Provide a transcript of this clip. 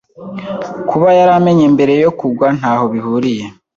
kuba yaramenye mbere yo kugwa ntaho bihuriye